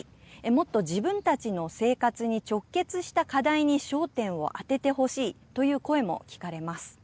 もっと自分たちの生活に直結した課題に焦点を当ててほしいという声も聞かれます。